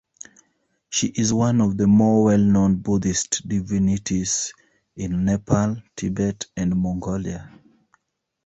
She is one of the more well-known Buddhist divinities in Nepal, Tibet, and Mongolia.